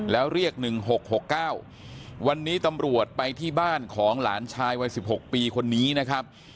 แล้วเรียก๑๖๖๙วันนี้ตำรวจไปที่บ้านของหลานชายวัย๑๖ปีคนนี้นะครับ